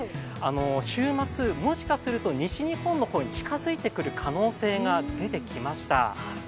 週末、もしかすると西日本の方に近づいてくる可能性が出てきました。